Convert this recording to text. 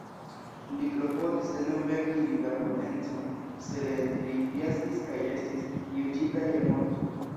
Li klopodis denove akiri la potencon, sed li fiaskis kaj estis juĝita je morto.